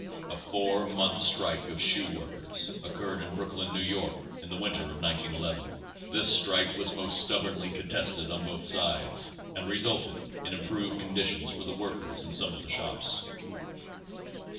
A four months' strike of shoe workers occurred in Brooklyn, New York, in the winter of 1911. This strike was most stubbornly contested on both sides, and re sulted in improved conditions for the workers in some of the shops.